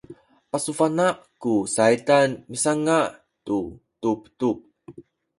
pasubana’ ku saydan misanga’ tu tubtub